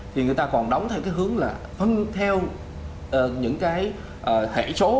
thì người ta còn đóng theo cái hướng là phân theo những cái hệ số